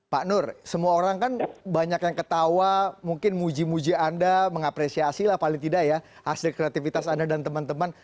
pak nur semua orang kan banyak yang ketawa mungkin muji muji anda mengapresiasi lah paling tidak ya hasil kreativitas anda dan teman teman